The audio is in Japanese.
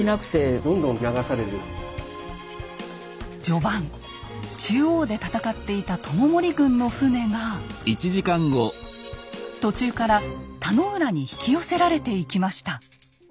序盤中央で戦っていた知盛軍の船が途中から田野浦に引き寄せられていきました。